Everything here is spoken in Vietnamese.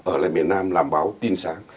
ở lại miền nam làm báo tin sáng